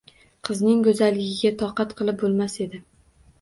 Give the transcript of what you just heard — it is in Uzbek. Qizning go’zalligiga toqat qilib bo’lmas edi.